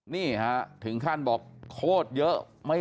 นี่ฮะถึงขั้นบอกโคตรเยอะมันก็ไม่เจอ